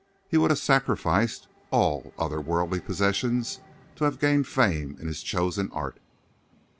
He would have sacrificed all other worldly possessions to have gained fame in his chosen art.